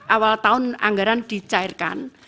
awal tahun anggaran dicairkan